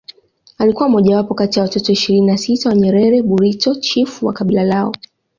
Alikuwa mojawapo kati watoto ishirini na sita wa Nyerere Burito chifu wa kabila lao